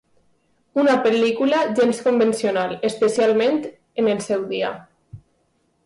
Una pel·lícula gens convencional, especialment en el seu dia.